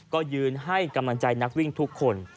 ก็ยืนให้กำลังใจนักวิ่งทุกคน